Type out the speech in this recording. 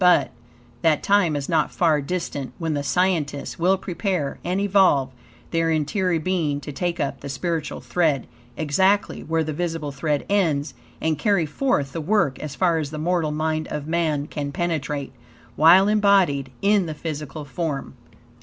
But, that time is not far distant, when the scientists will prepare and evolve their interior being to take up the spiritual thread, exactly where the visible thread ends, and carry forth the work, as far as the mortal mind of man can penetrate, while embodied in the physical form.